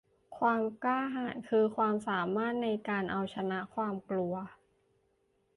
ความกล้าหาญคือความสามารถในการเอาชนะความกลัว